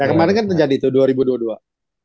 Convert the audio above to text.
ya kemarin kan terjadi tuh dua ribu dua puluh dua